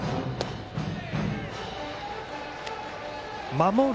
守る